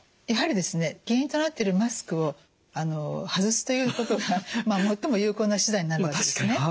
やはりですね原因となっているマスクを外すということがまあ最も有効な手段になるんですね。